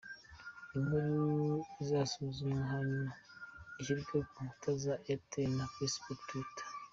Inkuru izasuzumwa hanyuma ishyirwe ku nkuta za Airtel za Facebook na twitter.